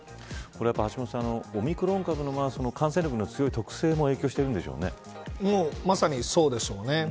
橋下さん、オミクロン株の感染力の強い特性もまさにそうでしょうね。